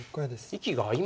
息が合いますね